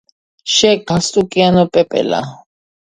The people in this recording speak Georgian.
შე გალსტუკიანო პეპელა